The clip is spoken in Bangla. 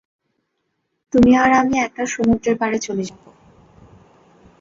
তুমি আর আমি একটা সমুদ্রের পাড়ে চলে যাব।